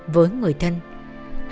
với người thân với người đàn ông